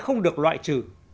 không được loại trừ